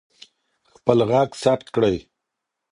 خپل غږ ثبت کړئ.